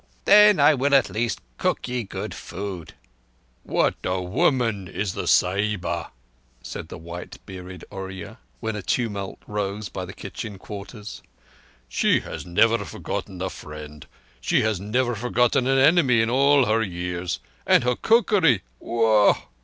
Then I will at least cook ye good food." "What a woman is the Sahiba!" said the white bearded Oorya, when a tumult rose by the kitchen quarters. "She has never forgotten a friend: she has never forgotten an enemy in all her years. And her cookery—wah!"